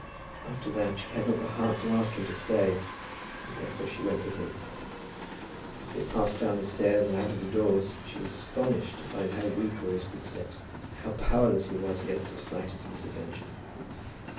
After that she had not the heart to ask him to stay, and therefore she went with him. As they passed down the stairs and out of the doors she was astonished to find how weak were his footsteps, how powerless he was against the slightest misadventure.